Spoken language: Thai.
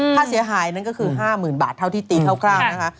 ค่าเสียหายนั้นก็คือ๕๐๐๐บาทเท่าที่ตีคร่าวนะคะ